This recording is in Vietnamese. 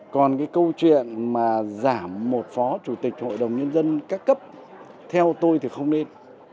còn cái câu chuyện mà giảm một phó chủ tịch hội đồng nhân dân các cấp theo tôi thì không nên